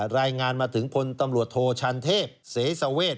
รายงานมาถึงพลตำรวจโทชันเทพเสสเวท